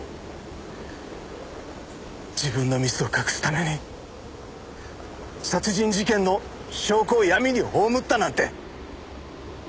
自分のミスを隠すために殺人事件の証拠を闇に葬ったなんて。